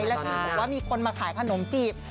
แล้วที่บอกว่ามีคนมาขายขนมจีบ